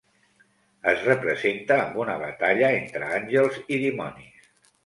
Es representa amb una batalla entre àngels i dimonis.